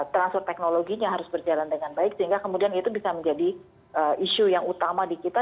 transfer teknologinya harus berjalan dengan baik sehingga kemudian itu bisa menjadi isu yang utama di kita